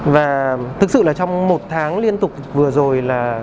và thực sự là trong một tháng liên tục vừa rồi là